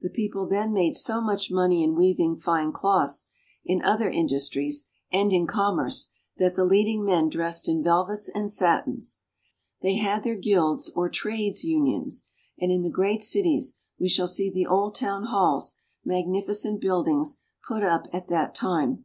The people then made so much money in weaving fine cloths, in other industries, and in commerce, that the leading men dressed in velvets and satins. They had their guilds or trades unions, and in the great cities we shall see the old town halls, magnificent buildings put up at that time.